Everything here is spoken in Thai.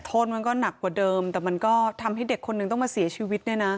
โทษมันก็หนักกว่าเดิมแต่มันก็ทำให้เด็กคนนึงต้องมาเสียชีวิตเนี่ยนะ